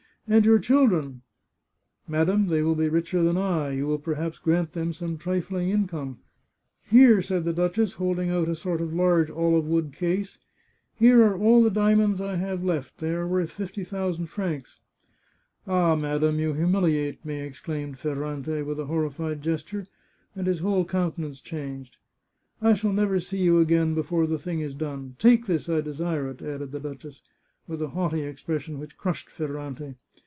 " And your children ?"" Madam, they will be richer than I. You will perhaps gfrant them some trifling income." " Here," said the duchess, holding out a sort of large olive wood case, " here are all the diamonds I have left. They are worth fifty thousand francs." " Ah, madam, you humiliate me," exclaimed Ferrante, with a horrified gesture, and his whole countenance changed. " I shall never see you again before the thing is done. Take this, I desire it," added the duchess, with a haughty expression which crushed Ferrante.